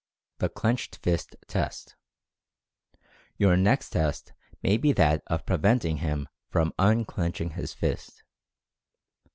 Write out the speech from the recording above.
THE "CLENCHED FIST" TEST. Your next test may be that of preventing him from unclenching his fist.